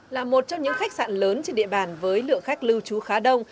là một trong những khách sạn lớn trên địa bàn với lượng khách lưu trú khá đông